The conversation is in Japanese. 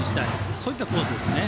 そういったコースですね。